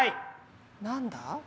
何だ？